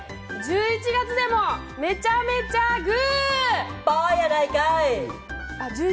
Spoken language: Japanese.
１１位でもめちゃめちゃグ！